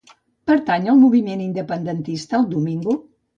Pertany al moviment independentista el Domingo?